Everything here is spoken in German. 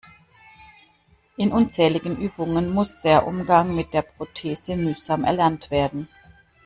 In unzähligen Übungen muss der Umgang mit der Prothese mühsam erlernt werden.